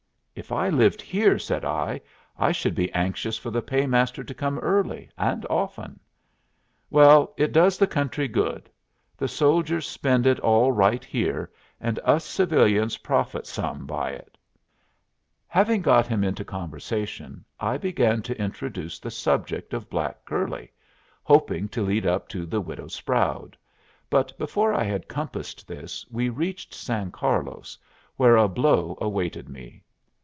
"If I lived here," said I, "I should be anxious for the paymaster to come early and often." "Well, it does the country good. The soldiers spend it all right here, and us civilians profit some by it." [Illustration: "EACH BLACK HAIRED DESERT FIGURE"] Having got him into conversation, I began to introduce the subject of black curly, hoping to lead up to the Widow Sproud; but before I had compassed this we reached San Carlos, where a blow awaited me.